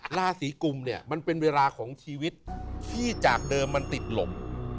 หลาสีกุมมันเป็นเวลาของชีวิตที่จากเดิมมันติดหล่ม